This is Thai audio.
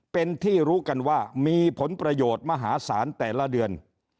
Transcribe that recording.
เป็นที่รู้กันว่ามีผลประโยชน์มหาศาลแต่ละเดือน